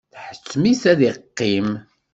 Tḥettem-it ad yeqqim.